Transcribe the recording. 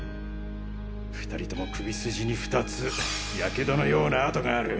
２人共首筋に２つ火傷のような痕がある。